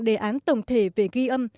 đề án tổng thể về ghi âm